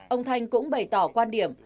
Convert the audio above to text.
ông thanh cũng bày tỏ quan điểm